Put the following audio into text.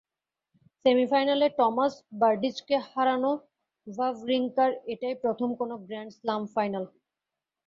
সেমিফাইনালে টমাস বার্ডিচকে হারানো ভাভরিঙ্কার এটাই প্রথম কোনো গ্র্যান্ড স্লাম ফাইনাল।